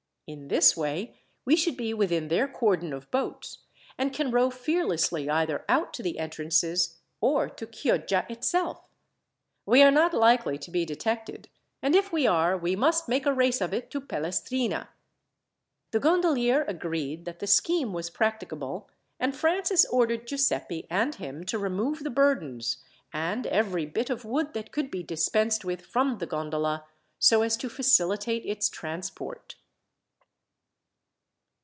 In this way, we should be within their cordon of boats, and can row fearlessly either out to the entrances, or to Chioggia itself. We are not likely to be detected, and if we are, we must make a race of it to Pelestrina." The gondolier agreed that the scheme was practicable, and Francis ordered Giuseppi and him to remove the burdens, and every bit of wood that could be dispensed with from the gondola, so as to facilitate its transport.